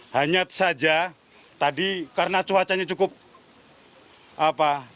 hanya saja tadi karena cuacanya cukup tidak bersahabat